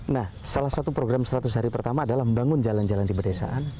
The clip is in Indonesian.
nah salah satu program seratus hari pertama adalah membangun jalan jalan di pedesaan